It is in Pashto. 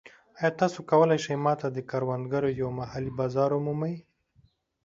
ایا تاسو کولی شئ ما ته د کروندګرو یو محلي بازار ومومئ؟